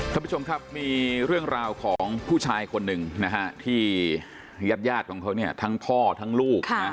คุณผู้ชมครับมีเรื่องราวของผู้ชายคนนึงที่ยาดของเขาทั้งพ่อทั้งลูก